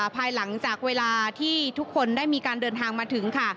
ภายหลังจากเวลาที่ทุกคนได้มีการเดินทางมาถึงค่ะ